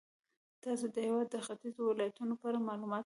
تاسې د هېواد د ختیځو ولایتونو په اړه معلومات لرئ.